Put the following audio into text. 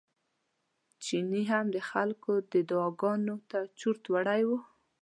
چيني هم د خلکو دې دعاګانو ته چورت وړی و.